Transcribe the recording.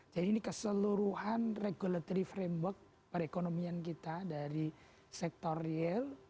jadi ini keseluruhan regulatory framework perekonomian kita dari sektor real